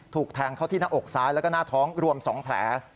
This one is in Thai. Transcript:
ถูกแทงเข้าที่หน้าอกซ้ายแล้วก็หน้าท้องรวม๒แผล